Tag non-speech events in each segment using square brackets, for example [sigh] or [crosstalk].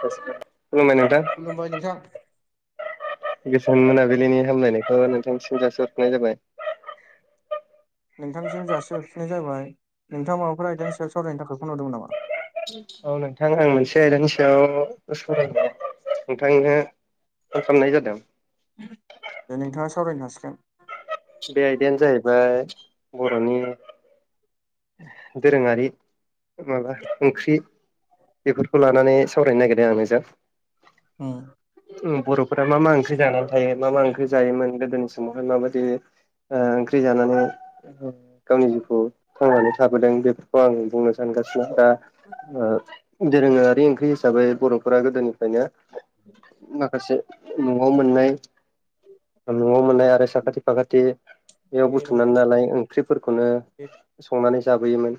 खुलुमबाय नोंथां खुलुमबाय नोंथां गोजोन मोनाबिलिनि हामलायनायखौ नोंथां निसिम जासिहरगोरनाय जाबाय नोंथांसिम जासिहरफिननाय जाबाय नोंथाङा माबाफोर आयदानि सायाव सावरायनायनि थाखायखौ नुदों नामा औ नोंथां आं मोनसे आयदानि सायाव सराय नोंथांनो खालामनाय जादों दे नोंथाङा सावरायनो हासिगोन बे आयदायानो जाहैबाय बर'नि दोरोङारि माबा ओंख्रि बेफोरखौ लानानै सावरायनो नागिरदों आं नोंजों बर'फोरा मा मा ओंख्रि जानानै थायो मा मा ओंख्रि जायोमोन गोदोनि समावहाय माबायदि ओंख्रि जानानै गावनि जिउखौ थांनानै थाबोदों बेफोरखौ आं बुंनो सानगासिनो दा दोरोङारि ओंख्रि हिसाबै बर'फोरा गोदोनिफ्रायनो माखासे न'आव मोननाय न'आव मोननाय आरो साखाथि फाखाथि दे बेयाव बुथुमनानै नालाय ओंख्रिफोरखौनो संनानै जाबोयोमोन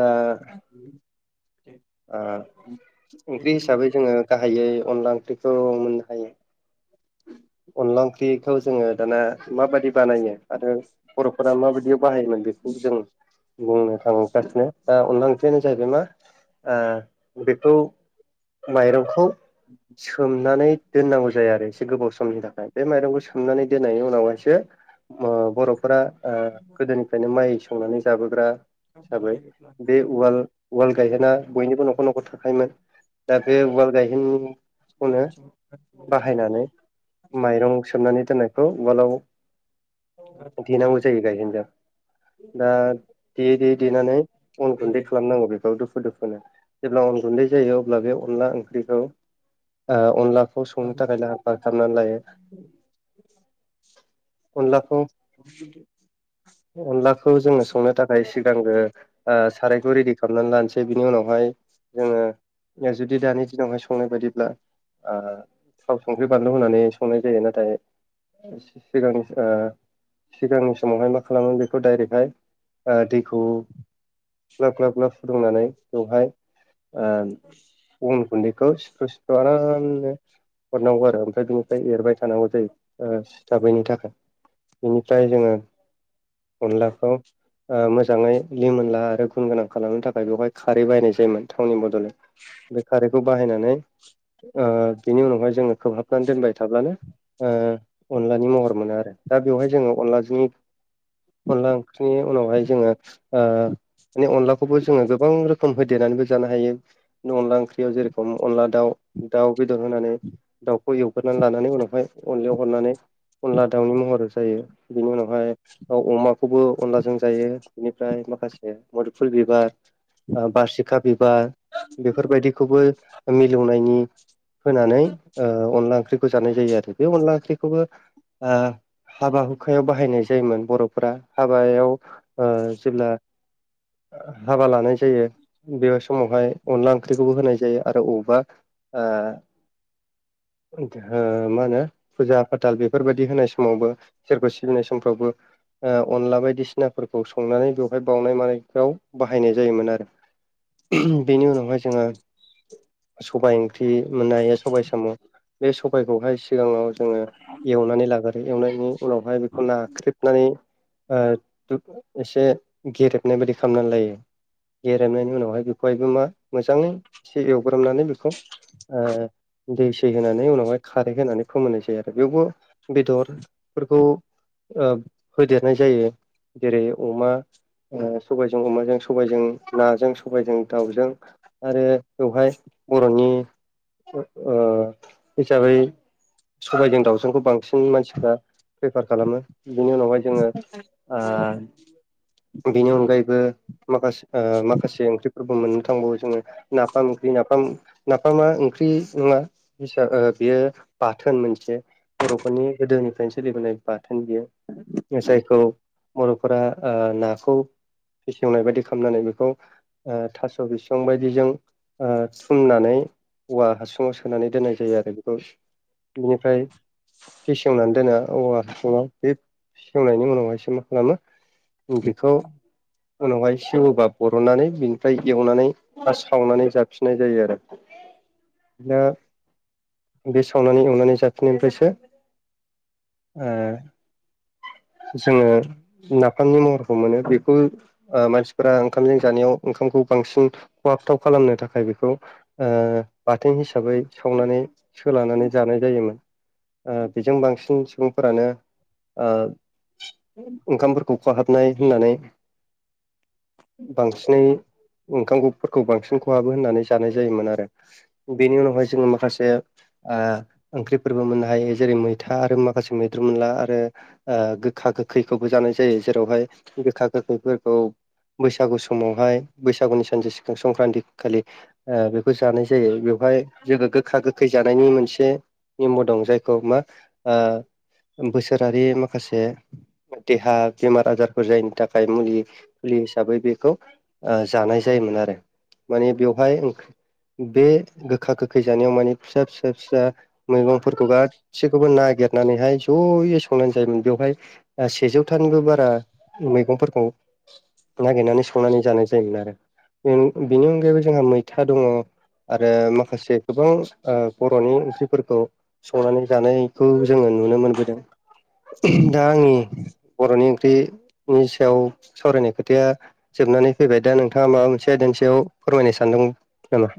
दा [inaudible] ओंख्रि हिसाबै जोङो गाहायै अनला ओंख्रिखौ मोननो हायो अनला ओंख्रिखौ जोङो दाना माबायदि बानायो आरो बर'फोरा माबायदियाव बाहायोमोन बेखौ जों बुंनो थगासिनो दा अनद ओंथियानो जाहैबाय मा बेखौ माइरंखौ सोमनानै दोननांगौ जायो आरो एसे गोबाव समनि थाखाय बे माइरंखौ सोमनानै दोननायनि उनावहायसो बर'फोरा गोदोनिफ्रायनो माइ संनानै जाबोग्रा हिसाबै बे उवाल उवाल गायहोना बयनिबो न'खर न'खर थाखायोमोन दा बे उवाल गायहेनखौनो बाहायनानै माइरं सोमनानै दोननायखौ उाल देनांगौ जायो गायेनजों दा देै देयै देनानै अन गुन्दै खालामनांगौ बेखौ दुफु दुफुनो जेब्ला अन गुन्दै जायो अब्ला बे अनला ओंख्रिखौ अनलाखौ संनो थाखाय लाहार फाहार खालामनानै लायो उनलाख' [unintelligible] अनलाखौ जोङो संनो थाखाय सिगांग्रो सारायखौ रेडि खालामनानै लानोसै बिनि उनावहाय जोङो जुदि दानि दिनावहाय संनाय बायदिब्ला थाव सं संख्रि बानलु होननानै संनाय जायो नाथाय सिगांनि सिगांनि समावहाय मा खालामो बेखौ डाइरेक्टहाय दैखौ ग्लाब ग्लाब ग्लाब सुदुंनानै बेवहाय बन गुन्दैखौ सिथु सिफु आरामनो हरनांगौ आरो ओमफ्राय बिनिफ्राय एरबाय थानांगौ जायो सिथाबैनि थाखाय बेनिफ्राय जोङो अलाखौ मोजाङै लिमोनला आरो गुन गोनां खालामनो थाखाय बेवहाय खारै बायनाय जायोमोन थावनि बडलेण्ड बे खारैखौ बाहायनानै बिनि उनावहाय जोङो खोबहाब सुनानै दोनबाय थाब्लानो अनलानि महर मोनो आरो दा बेवहाय जोङो अनलानि अनला ओंख्रिनि उनावहाय जोङो माने अनलाखौबो जोङो गोबां रोखोम होदेरनानैबो जानो हायो। अनला ओंख्रियाव जेरेखम अनला दाउ दाउ बेदर होनानै खौ एवग्रोनानै लानानै उनावहाय अनलायाव हरनानै अनला दाउनि महर जायो बिनि उनावहाय अमाखौबो अनलाजों जायो बेनिफ्राय माखासे मुदुफुल बिबार ओ बारसिखा बिबार बेफोरबायदिखौबो मिलौनायनि होनानै ओ अनला ओंख्रिखौ जानाय जायो आरो बे अनला ओंख्रिखौबो ओ हाबा हुखायाव बाहायनाय जायोमोन बर'फोरा हाबायाव ओ जेब्ला हाबा लानाय जायो बे समावहाय अनला ओंख्रिखौबो होनाय जायो आरो अबावबा ओ हो मा होनो फुजा फाथाल बेफोरबायदि होनाय समावबो इसोरखौ सिबिनाय समफ्रावबो ओ अनला बायदिसिनाफोरखौ संनानै बेवहाय बावनाय मानायफ्राव बाहायनाय जायोमोन आरो बेनि उनावहाय जोङो सबाय ओंख्रि मोननो हायो सबायाइ साम' बे सबाइखौहाय सिगाङाव जोङो एवनानै लाग्रो एवनायनि उनावहाय बेखौ नाख्रेबनानै ओ एसे गेरेबनाय बायदि खालामनानै लायो गेरेनायनि उनावहाय बेखौहायबो मा मोजाङै एसे एवग्रोमनानै बेखौ दै सै होनानै उनावहाय खारै होनानै फोमोननाय जायो आरो बेयावबो बेदरफोरखौ ओ होदेरनाय जायो जेरै अमा ओ सबायजों अमाजों सबायजों नाजों सबायजों दाउजों आरो बेवहाय बर'नि ओ हिसाबै सबायजों दाउजोंखौ बांसिन मानसिफ्रा प्रिफार खालामो बिनि उनावहाय जोङो आ बेनि अनगायैबो माखासे ओ माखासे ओंख्रि फोरबो मोननो थांबावो जोङो नाफाम ओंख्रि नाफाम नाफामा ओंख्रि नङा। [unintelligible] ओ बेयो बाथोन मोनसे बर'फोरनि गोदोनिफ्रायनो सोलिबोनाय बाथोन बियो जायखौ बर'फोरा ओ ना खौ फेसेवनाय बायदि खालामनानै बेखौ ओ थास' बिसं बायदिजों ओ थुमनानै औवा हासुङाव सोनानै दोननाय जायो आरो बेखौ बेनिफ्राय फेसेवनानै दोनो औवा हासुङाव बे फेसेवनायनि उनावहायसो मा खालामो बेखौ उनावहाय सेवोबा बरननानै बिनिफ्राय एवनानै बा सावनानै जाफिननाय जायो आरो [unintelligible] बे सावनानै एवनानै जाफिनायनिफ्रायसो ओ जोङो नाफामनि महर मोनो बेखौ ओ मानसिफोरा ओंखामजों जानायाव ओंखामखौ बांसिन खहाबथाव खालामनो थाखाय बेखौ ओ बाथोन हिसाबै सावनानै सोलानानै जानाय जायोमोन। ओ बेजों बांसिन सुबुंफोरानो ओ ओंखामफोरखौ खहाब नाय होननानै बांसिनै ओंखामखौफोरखौ बांसिन खहाबो होननानै जानाय जायोमोन आरो बेनि उनावहाय जोङो माखासे ओ ओंख्रिफोरबो मोननो हायो जेरै मैथा आरो माखासे मैद्रु मोनला आरो आ गोखा गोखैखौबो जानाय जायो जेरावहाय गोखा गोखैफोरखौ बैसागु समावहाय बैसागुनि सानसे सिगां संक्रान्ति खालि आ बेखौ जानाय जायो बेवहाय जोङो गोखा गोखै जानायनि मोनसे नियम' दं जायखौ मा आ बोसोरारि माखासे देहा बेमार आजारफोर जायिनि थाखाय मुलि मुलि हिसाबै बेखौ जानाय जायोमोन आरो माने बेवहाय बे गोखा गोखै जानायाव माने फिसा फिसा फिसा मैगंफोरखौ गासैखौबो नागिरनानैहाय ज'यै संनानै जायोमोन बेवहाय सेजौथानिबो बारा मैगंफोरखौ नागिरनानै संनानै जानाय जायोमोन आरो बेनि अनगायैबो जोंहा मैथा दङ। आरो माखासे गोबां ओ बर'नि ओंख्रिफोरखौ संनानै जानायखौ जोङो नुनो मोनबोदों दा आंनि बर'नि ओंख्रिनि सायाव सावरायनाय खोथाया जोबनानै फैबाय दा नोंथाङा माबा मोनसे एसे दोनसेयाव फोरमायनो सानदों नामा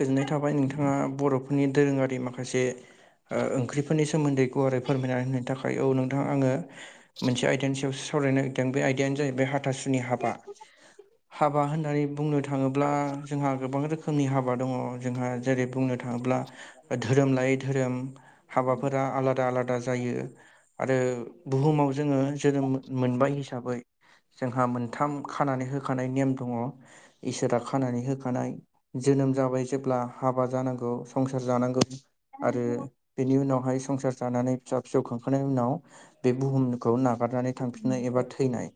गोजोननाय थाबाय नोंथाङा बर'फोरनि दोरोङारि माखासे ओंख्रिफोरनि सोमोन्दै गुवारै फोरमायनानै होननायनि थाखाय औ नोंथाङा आङो मोनसे आयदानि सायाव सावरायनो नागदों बे आयदायानो जाहैबाय हाथासुनि हाबा हाबा होननानै बुंनो थाङोब्ला जोंहा गोबां रोखोम रोखोमनि हाबा दङ जोंहा जेरै बुंनो थाङोब्ला धोरोम लायै धोरोम हाबाफोरा आलादा आलादा जायो। आरो बुहुमाव जोङो जोनोम मोनबाय हिसाबै जोंहा मोनथाम खानानै होखानाय नेम दङ इसोरा खानानै होखानाय जोनोम जाबाय जेब्ला हाबा जानांगौ संसार जानांगौ आरो बेनि उनावहाय संसार जानानै फिसा फिसौ खांखांनायनि उनाव बे बुहुमखौ नागारनानै थांफिननाय एबा थैनाय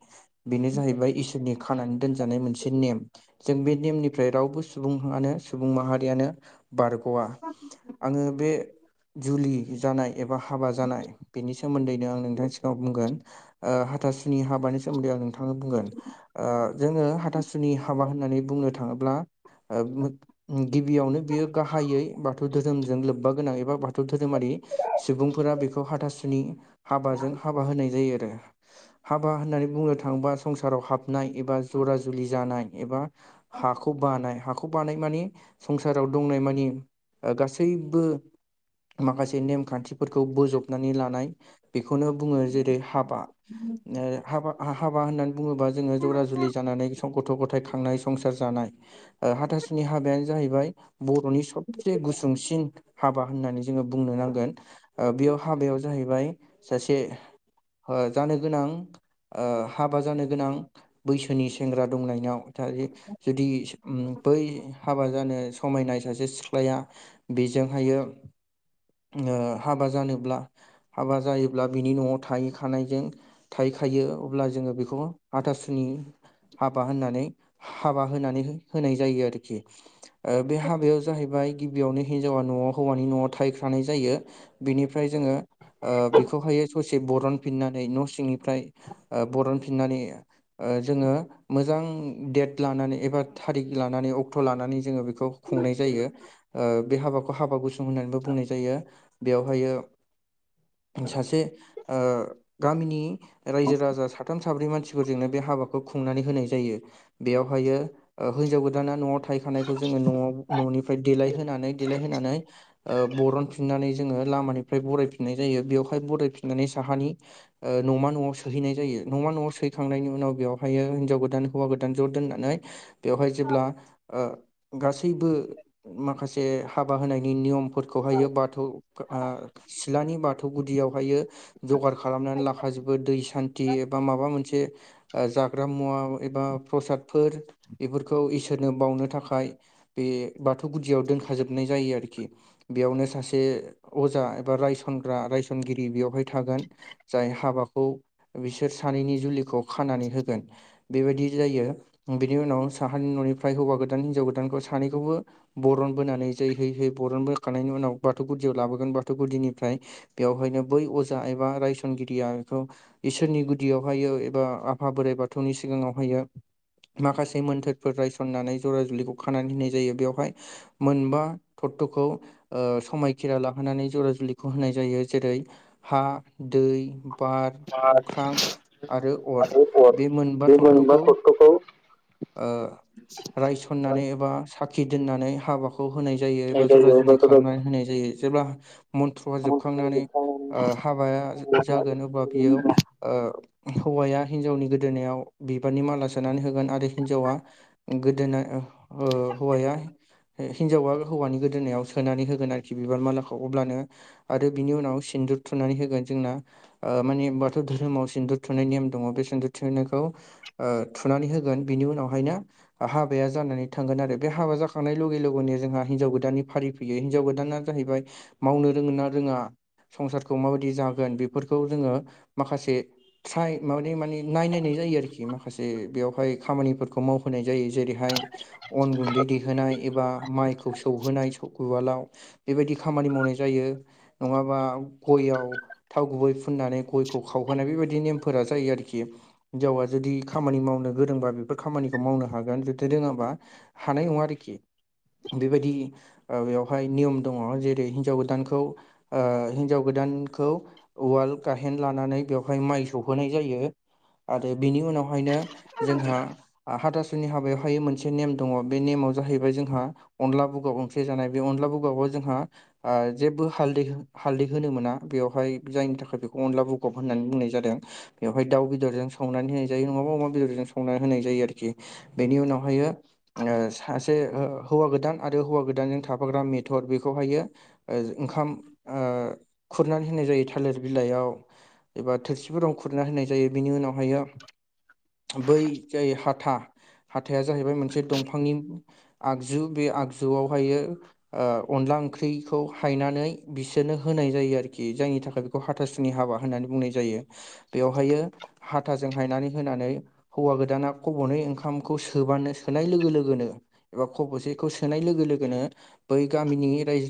बेनो जाहैबाय इसोरनि खानानै दोनजानाय मोनसे नेम जों बे नेमनिफ्राय रावबो सुबुङानो सुबुं माहारियानो बारग'आ आङो बे जुलि जानाय एबा हाबा जानाय बेनि सोमोन्दैनो आं नोंथांनि सिगाङाव बुंगोन ओ हाथासुनि हाबानि सोमोन्दै आं नोंथाङा बुंगोन ओ जोङो हाथासुनि हाबा होननानै बुंनो थाङोब्ला गिबियावनो बियो गाहायै बाथौ धोरोमजों लोब्बा गोनां एबा बाथौ बाथौ धोरोमारि सुबुंफोरा बेखौ हाथासुनि हाबाजों हाबा होनाय जायो आरो हाबा होननानै बुंनो थाङोबा संसाराव हाबनाय एबा जरा जुलि जानाय एबा हाखौ बानाय हाखौ बानाय मानि संसाराव दंनाय मानि गासैबो माखासे नेमखान्थिफोरखौ बोजबनानै लानाय बेखौनो बुङो जेरै हाबा हाबा हाबा होननानै बुङोबा जोङो जरा जुलि जानानै गथ' गथाय थांनाय संसार जानाय ओ हाथासुनि हाबायानो जाहैबाय बर'नि सबसे गुसुंसिन हाबा होननानै जोङो बुंनो नांगोन ओ बेयाव हाबायाव जाहैबाय सासे ओ जानो गोनां ओ हाबा जानो गोनां बैसोनि सेंग्रा दंनायनाव जुदि बै हाबा जानो समायनाय सासे सिख्लाया बेजोंहायो ओ हाबा जानोब्ला हाबा जायोब्ला बिनि न'आव थाहै खानायजों थाइैखायो अब्ला जोङो बेखौ आथासुनि हाबा होननानै हाबा होनानै होनाय जायो आरोखि ओ बे हाबायाव जाहैबाय गिबियावनो हिन्जावा न'आव हौवानि न'आव थायैखानाय जायो बिनिफ्राय जोङो ओ बेखौहायो ससे बरनफिननानै न' सिंनि ओमफ्राय बरनफिननानै ओ जोङो मोजां डेट लानानै एबा थारिक लानानै अक्ट' लानानै जोङो बेखौ खुंनाय जायो ओ बे हाबाखौ हाबा गुस होननानैबो बुंनाय जायो बेयावहाय सासे ओ गामिनि रायजो राजा साथाम साब्रै मानसिफोरजोंनो बे हाबाखौ खुंनानै होनाय जायो बेयावहायो ओ हिन्जाव गोदाना न'आव थायखानायखौ जोङो न'आव न'निफ्राय देलायहोनानै देलायहोनानै ओ बरनफिननानै जोङो लामानिफ्राय बरायफिननाय जायो बेवहाय बरायफिननानै साहानि ओ न'मा न'आव सोहैनाय जायो न'मा न'आव सोहैखांनायनि उनाव बेवहायो हिनजाव गोदान हौवा गोदान ज' दोननानै बेवहाय जेब्ला ओ गासैबो माखासे हाबा होनायनि नियमफोरखौहायो बाथौ ओ सिलानि बाथौ गुदियावहायो जगार खालामनानै लाखाजोबो दै सान्थि एबा माबा मोनसे जाग्रा मुवा एबा प्रसादफोर बेफोरखौ इसोरनो बावनो थाखाय बे बाथौ गुदियाव दोनखाजोबनाय जायो आरोखि। बेयावनो सासे अजा एबा रायसनग्रा रायसनगिरि बेयावहाय थागोन। जाय हाबाखौ बिसोर सानैनि जुलिखौ खानानै होगोन बेबायदि जायो बिनि उनाव साहानि न'निफ्राय हौवा गोदान हिनजाव गोदानखौ सानैखौबो बरन बोनानै जै है है बरन बोखांनायनि उनाव बाथौ गुदियाव लाबोगोन बाथौ गुदिनिफ्राय बेवहायनो बै अजा एबा रायसनगिरिया बेखौ इसोरनि गुदियावहायो एबा आफा बोराइ बाथौनि सिगाङावहायो माखासे बे मोनथोरफोर रायसननानै जरा जुलिखौ खानानै होननाय जायो बेवहाय मोनबा थत्त'खौ ओ समायखिरा लाहोनानै जरा जुलिखौ होनाय जायो जेरै हा दै बार अख्रां आरो अर बे मोनबा थत्थ'खौ [inaudible] ओ रायसननानै एबा साखि दोननानै हाबा खौ होनाय जायो एबा जरा जुलि खालामनानै होनाय जायो जेब्ला मन्थ्रआ जोबखांनानै नायजायो ओ हाबाया जागोन अबा बेयाव हौवाया हिन्जावनि गोदोनायाव बिबारनि माला सोनानै होगोन आरो हिन्जावा गोदोना ओ हौवाया हिनजावा हौवानि गोदोनायाव सोनानै होगोन आरोखि बिबार मालाखौ अब्लानो आरो बिनि उनाव सिन्दुर थुनानै होगोन जोंना ओ माने बाथौ धोरोमाव सिन्दुर थुनाय नेम दङ बे सिन्दुर थुनायखौ थुनानै होगोन बिनि उनावहायनो हाबाया जानानै थांगोन आरो बे हाबा जाखांनाय लगे लगेनो जोंहा हिनजाव गोदाननि फारि बेयो हिनजाव गोदाना जाहैबाय मावनो रोङो ना रोङा संसारखौ माबायदि जागोन बेफोरखौ जोङो माखासे फिसाइ माबादि माने नायनायनाय जायो आरोखि माखासे बेवहाय खामानिफोरखौ खौ मावहोनाय जायो जेरैहाय अन गुन्दै दैहोनाय एबा माइखौ सौहोनाय उवालाव बेबायदि खामानि मावनाय जायो नङाबा गयआव थाव गुबै फुननानै गयखौ खावहोनाय बेबायदि नेमफोरा जायो आरोखि‌। हिनजावा जुदि खामानि मावनो गोरोंबा बेफोर खामानिखौ मावनो हागोन जुदि रोङाबा हानाय नङा आरोखि बेबादि बेवहाय नियम दङ जेरै हिनजाव गोदानखौ ओ हिनजाव गोदानखौ उवाल गाहेन लानानै बेवहाय माइ सौहोनाय जायो आरो बिनि उनावहायनो जोंहा हाथासुनि हाबायावहाय मोनसे नेम दङ बे नेमाव जाहैबाय जोंहा अनला बुगाव ओंसे जानाय बे अनला बुगावआव जोंहा ओ जेबो हालदै हालदै होनो मोना बेवहाय जायनि थाखाय बेखौ अनला बुगब होननानै बुंनाय जादों। बेवहाय दाउ बेदरजों संनानै होनाय जायो नङाबा अमा बेदरजों संना होनाय जायो आरोखि। बेनि उनावहायो ओ सासे हौवा गोदान आरो हौवा गोदानजों थाफाग्रा मेथर बेखौहायो ओ ओंखाम ओ खुरनानै होनाय जायो थालिर बिलाइयाव एबा थोरसिफोराव खुरना होनाय जायो बिनि उनावहायो बै जाय हाथा हाथाया जाहैबाय मोनसे दंफांनि आगजु बे आगजुआवहायो ओ अनला ओंख्रिखौ हायनानै बिसोरनो होनाय जायो आरोखि जायनि थाखाय खौ हाथासुनि हाबा होननानै बुंनाय जायो बेवहायो हाथाजों हायनानै होनानै हौवा गोदान दाना खबनै ओंखामखौ सोबानो सोनाय लोगो लोगोनो एबा खब'सेखौ सोनाय लोगो लोगोनो बै गामिनि राय